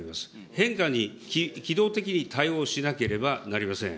変化に機動的に対応しなければなりません。